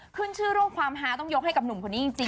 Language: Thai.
ขึ้นชื่อเรื่องความฮาต้องยกให้กับหนุ่มคนนี้จริง